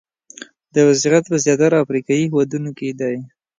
دا وضعیت په زیاتره افریقایي هېوادونو کې دی.